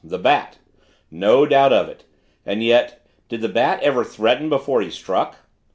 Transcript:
The Bat! No doubt of it. And yet did the Bat ever threaten before he struck?